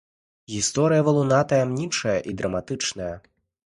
Гісторыя валуна таямнічая і драматычная.